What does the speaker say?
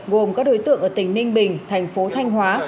gồm các đối tượng ở tỉnh ninh bình thành phố thanh hóa